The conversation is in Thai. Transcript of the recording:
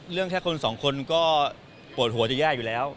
แค่คนสองคนก็ปวดหัวจะแย่อยู่แล้ว